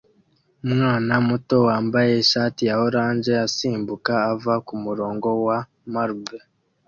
Umwana muto wambaye ishati ya orange asimbuka ava kumurongo wa marble